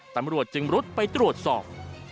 ตำรวจจึงรุดไปตรวจสอบ